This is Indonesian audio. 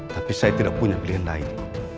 tapi saya tidak punya pilihan lain